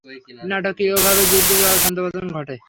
নাটকীয়ভাবে যুদ্ধের ছন্দপতন ঘটে।